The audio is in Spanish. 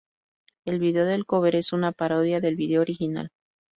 El video del cover es una parodia del video original.